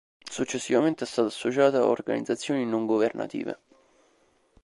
Successivamente è stata associata a organizzazioni non governative.